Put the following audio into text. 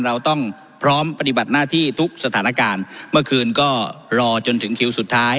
เราต้องพร้อมปฏิบัติหน้าที่ทุกสถานการณ์เมื่อคืนก็รอจนถึงคิวสุดท้าย